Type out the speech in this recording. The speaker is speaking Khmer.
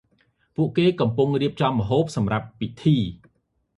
ពួកគេ កំពុងរៀបចំម្ហូបសំរាប់ពីធី ។